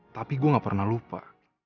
tapi gue gak pernah lupa